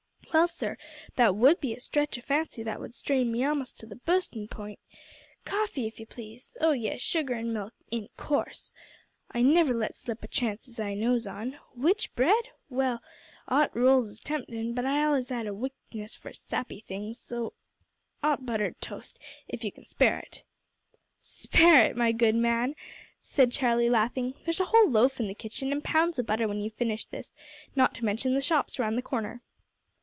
"Well, sir, that would be a stretch o' fancy that would strain me a'most to the bustin' p'int. Coffee, if you please. Oh yes, sugar an' milk in course. I never let slip a chance as I knows on. W'ich bread? well, 'ot rolls is temptin', but I allers 'ad a weakness for sappy things, so 'ot buttered toast if you can spare it." "Spare it, my good man!" said Charlie, laughing. "There's a whole loaf in the kitchen and pounds of butter when you've finished this, not to mention the shops round the corner."